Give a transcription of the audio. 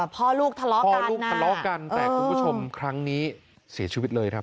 พ่อลูกทะเลาะกันแต่คุณผู้ชมครั้งนี้เสียชีวิตเลยครับ